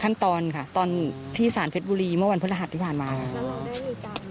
ขั้นตอนค่ะตอนที่สารเพชรบุรีเมื่อวันพฤหัสที่ผ่านมาค่ะ